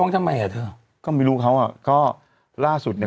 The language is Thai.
ดูไม่รู้ค่ะเดี๋ยวรอดูไม้อยู่